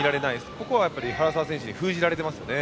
そこは原沢選手に封じられていますね。